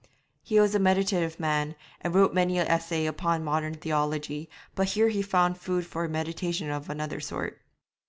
He was a meditative man, and wrote many an essay upon modern theology, but here he found food for meditation of another sort.